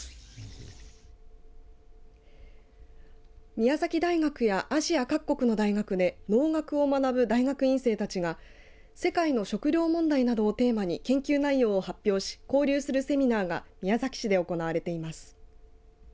宮崎大学やアジア各国の大学で農学を学ぶ大学院生たちが世界の食糧問題などをテーマに研究内容を発表し交流するセミナーが宮崎市で行われています。